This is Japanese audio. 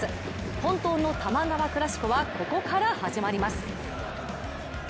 本当の多摩川クラシコはここから始まります。